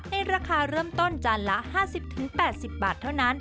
ราคาเริ่มต้นจานละ๕๐๘๐บาทเท่านั้น